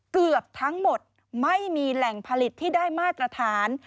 เกือบทั้งหมดไม่มีแหล่งผลิตที่ได้มาตรฐาน